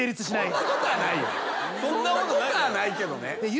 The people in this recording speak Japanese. そんなことはないけどね。